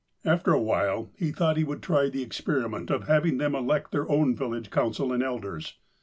After a while he thought he would try the experiment of having them elect their own village council and elders.